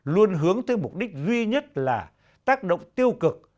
luôn hướng tới mục đích duy nhất là tác động tiêu cực